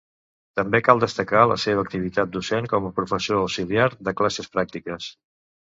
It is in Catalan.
També cal destacar la seva activitat docent com a professor auxiliar de classes pràctiques.